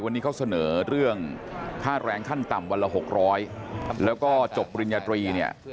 วันนี้เขาเสนอเรื่องค่าแรงขั้นต่ำวันละ๖๐๐แล้วก็จบปริญญาตรีเนี่ย